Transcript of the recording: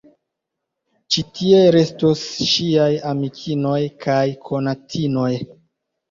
Ĉi tie restos ŝiaj amikinoj kaj konatinoj.